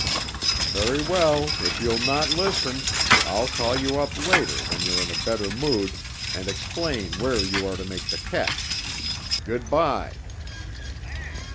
Very well, if you'll not listen! I'll call you up later, when you're in a better mood, and explain where you are to make the catch. Good by!"